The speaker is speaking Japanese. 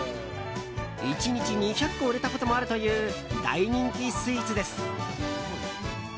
１日２００個売れたこともあるという大人気スイーツです。